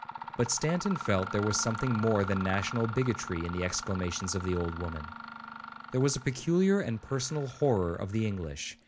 —But Stanton felt there was something more than national bigotry in the exclamations of the old woman; there was a peculiar and personal horror of the English.